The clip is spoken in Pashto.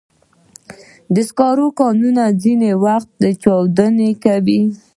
د سکرو کانونه ځینې وختونه چاودنې کوي.